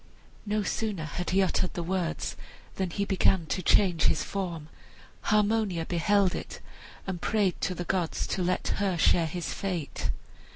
No sooner had he uttered the words than he began to change his form. Harmonia beheld it and prayed to the gods to let her share his fate.